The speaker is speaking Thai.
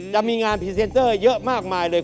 จะมีงานพรีเซนเตอร์เยอะมากมายเลย